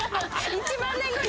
１万年後に！